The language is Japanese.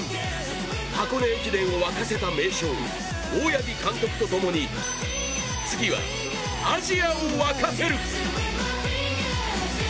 箱根駅伝を湧かせた名将・大八木監督とともに次はアジアを沸かせる。